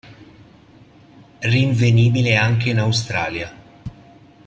Rinvenibile anche in Australia.